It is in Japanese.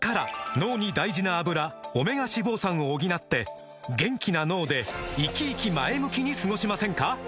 脳に大事な「アブラ」オメガ脂肪酸を補って元気な脳でイキイキ前向きに過ごしませんか？